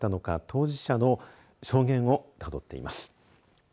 当事者の証言をたどっています。